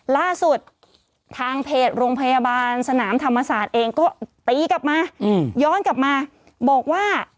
ล่าสุดทางเพจโรงพยาบาลสนามธรรมศาสตร์เองก็ตีกลับมาย้อนกลับมาบอกว่า